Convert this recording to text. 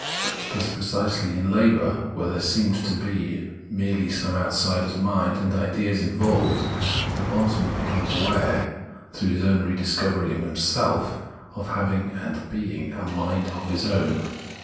Thus precisely in labour where there seemed to be merely some outsider's mind and ideas involved, the bondsman becomes aware, through this re discovery of himself by himself, of having and being a " mind of his own."